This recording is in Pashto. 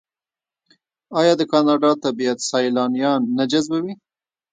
آیا د کاناډا طبیعت سیلانیان نه جذبوي؟